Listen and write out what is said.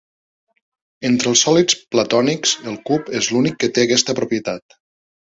Entre els sòlids platònics, el cub és l'únic que té aquesta propietat.